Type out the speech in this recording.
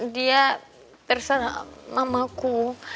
dia personamu mamaku